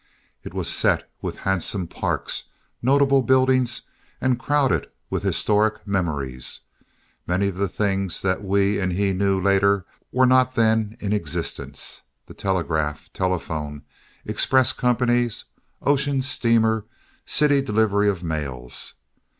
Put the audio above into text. It was set with handsome parks, notable buildings, and crowded with historic memories. Many of the things that we and he knew later were not then in existence—the telegraph, telephone, express company, ocean steamer, city delivery of mails.